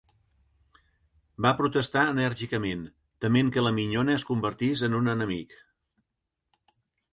Va protestar enèrgicament, tement que la minyona es convertís en un enemic.